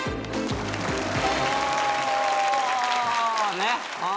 ねっ。